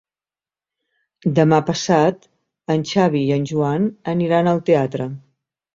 Demà passat en Xavi i en Joan aniran al teatre.